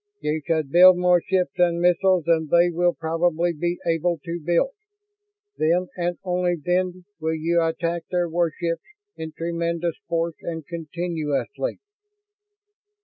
You should build more ships and missiles than they will probably be able to build. Then and only then will you attack their warships, in tremendous force and continuously."